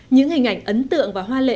những hình ảnh ấn tượng và hoa lệ